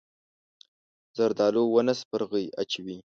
زردالو ونه سپرغۍ اچوي.